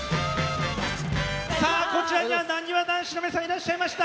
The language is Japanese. さあこちらにはなにわ男子の皆さんいらっしゃいました。